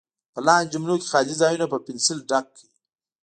په لاندې جملو کې خالي ځایونه په پنسل ډک کړئ.